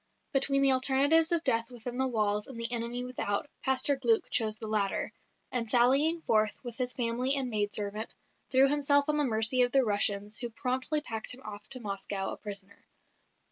Between the alternatives of death within the walls and the enemy without, Pastor Glück chose the latter; and sallying forth with his family and maid servant, threw himself on the mercy of the Russians who promptly packed him off to Moscow a prisoner.